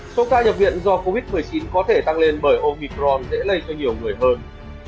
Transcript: số ca nhập viện do covid một mươi chín có thể tăng lên bởi omicrom dễ lây cho nhiều người hơn